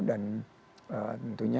dan tentu saja